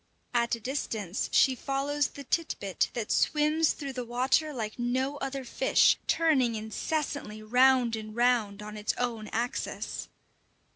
At a distance she follows the tit bit that swims through the water like no other fish, turning incessantly round and round on its own axis.